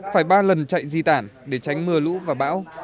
phải ba lần chạy di tản để tránh mưa lũ và bão